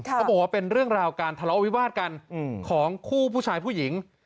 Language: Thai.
เขาบอกว่าเป็นเรื่องราวการทะเลาะวิวาสกันของคู่ผู้ชายผู้หญิง